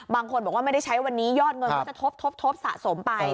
บางคนบอกว่าไม่ได้ใช้วันนี้ยอดเงินก็จะทบทบสะสมไป